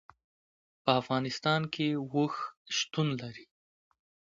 په افغانستان کې اوښ شتون لري.